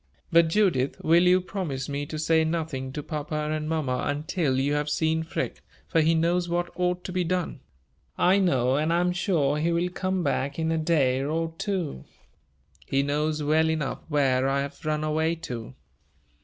But, Judith, will you promise me to say nothing to papa and mamma until you have seen Freke, for he knows what ought to be done? I know and I am sure he will come back in a day or two. He knows well enough where I have run away to."